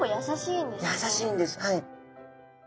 やさしいんですはい。